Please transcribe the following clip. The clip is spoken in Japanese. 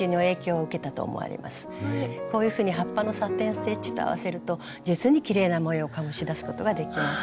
こういうふうに葉っぱのサテン・ステッチと合わせると実にきれいな模様を醸し出すことができます。